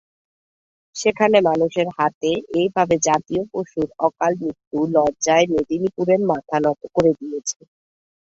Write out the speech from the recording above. সেখানে মানুষের হাতে এ ভাবে জাতীয় পশুর অকাল মৃত্যু লজ্জায় মেদিনীপুরের মাথা নত করে দিয়েছে।